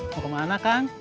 mau kemana kang